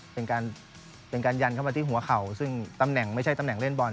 เป็นการเป็นการยันเข้ามาที่หัวเข่าซึ่งตำแหน่งไม่ใช่ตำแหน่งเล่นบอล